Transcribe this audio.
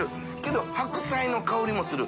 韻白菜の香りもする。